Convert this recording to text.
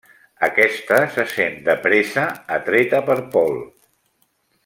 Aquesta se sent de pressa atreta per Paul.